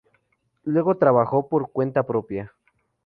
Luego trabajó por cuenta propia.